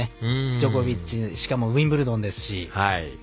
ジョコビッチにしかもウィンブルドンですし。